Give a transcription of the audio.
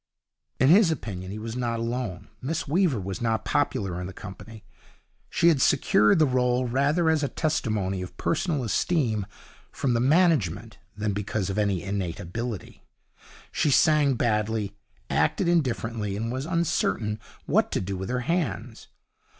In his opinion he was not alone. Miss Weaver was not popular in the company. She had secured the role rather as a testimony of personal esteem from the management than because of any innate ability. She sang badly, acted indifferently, and was uncertain what to do with her hands.